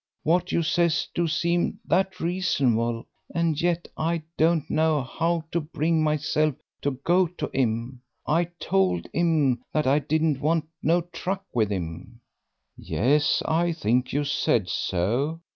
What you says do seem that reasonable, and yet I don't know how to bring myself to go to 'im. I told 'im that I didn't want no truck with 'im." "Yes, I think you said so.